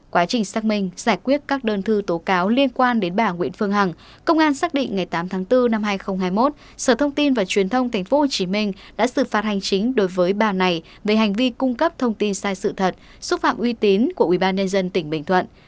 quá trình xác minh giải quyết các đơn thư tố cáo liên quan đến bà nguyễn phương hằng công an xác định ngày tám tháng bốn năm hai nghìn hai mươi một sở thông tin và truyền thông tp hcm đã xử phạt hành chính đối với bà này về hành vi cung cấp thông tin sai sự thật xúc phạm uy tín của ubnd tỉnh bình thuận